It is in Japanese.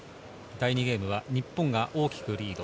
第２ゲームは日本が大きくリード。